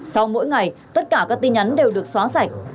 sau mỗi ngày tất cả các tin nhắn đều được xóa sạch